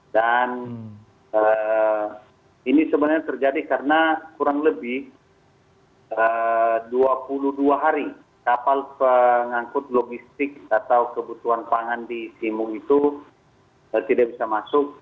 dan ini sebenarnya terjadi karena kurang lebih dua puluh dua hari kapal pengangkut logistik atau kebutuhan pangan di simuk itu tidak bisa masuk